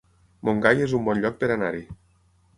Montgai es un bon lloc per anar-hi